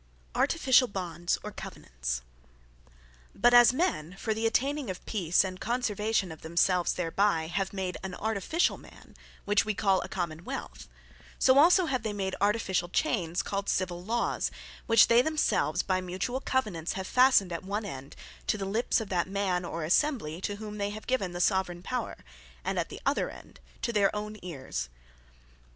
Artificiall Bonds, Or Covenants But as men, for the atteyning of peace, and conservation of themselves thereby, have made an Artificiall Man, which we call a Common wealth; so also have they made Artificiall Chains, called Civill Lawes, which they themselves, by mutuall covenants, have fastned at one end, to the lips of that Man, or Assembly, to whom they have given the Soveraigne Power; and at the other end to their own Ears.